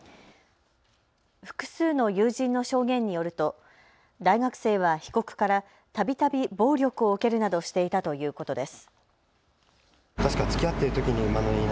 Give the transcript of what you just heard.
複数の友人の証言によると大学生は被告からたびたび暴力を受けるなどしていたということです。